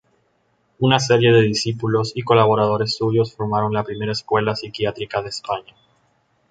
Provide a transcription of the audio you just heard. Una serie de discípulos y colaboradores suyos formaron la primera escuela psiquiátrica de España.